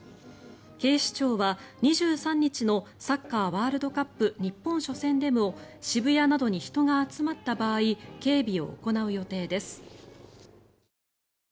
警視庁は２３日のサッカーワールドカップ日本初戦でも渋谷などに人が集まった際に警備を行う予定です。